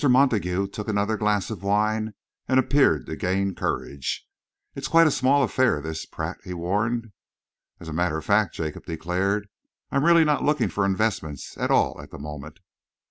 Montague took another glass of wine and appeared to gain courage. "It's quite a small affair, this, Pratt," he warned him. "As a matter of fact," Jacob declared, "I am really not looking for investments at all at the moment."